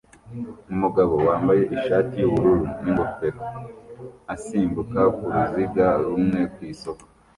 umugabo wambaye ishati yubururu n'ingofero asimbuka ku ruziga rumwe ku isoko